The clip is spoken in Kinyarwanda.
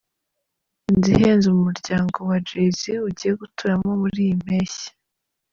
Inzu ihenze umuryango wa Jay-z ugiye guturamo muri iyi mpeshyi.